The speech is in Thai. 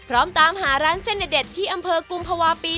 พร้อมตามหาร้านเส้นเด็ดที่อำเภอกุมภาวะปี